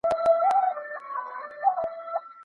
که خویندې میله جوړه کړي نو کلتور به نه وي مړ.